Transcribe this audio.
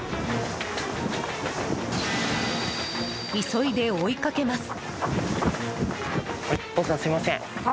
急いで追いかけます。